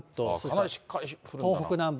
かなりしっかり降るんだな。